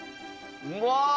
うわ！